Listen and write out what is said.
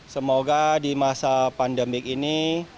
semoga di masa pandemi ini